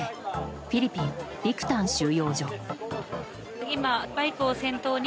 フィリピン・ビクタン収容所。